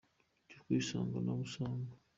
ryo kwisanga nabo usanga